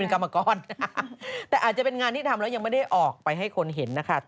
เราก็ได้ไปทำงานใช่ไหมครับใช่ค่ะ